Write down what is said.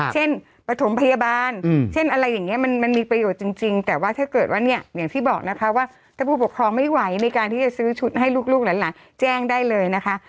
ปฐมพยาบาลเช่นอะไรอย่างนี้มันมีประโยชน์จริงแต่ว่าถ้าเกิดว่าเนี่ยอย่างที่บอกนะคะว่าถ้าผู้ปกครองไม่ไหวในการที่จะซื้อชุดให้ลูกหลานแจ้งได้เลยนะคะ